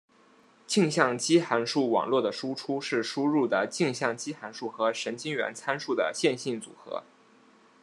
径向基函数网络的输出是输入的径向基函数和神经元参数的线性组合。